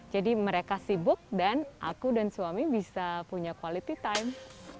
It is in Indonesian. mereka sibuk dan aku dan suami bisa punya quality time